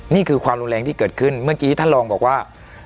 นี่คือความรุนแรงที่เกิดขึ้นเมื่อกี้ท่านรองบอกว่า